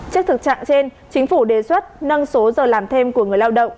trước thực trạng trên chính phủ đề xuất nâng số giờ làm thêm của người lao động